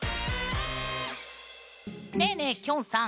ねえねえきょんさん。